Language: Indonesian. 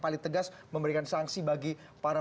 paling tegas memberikan sanksi bagi para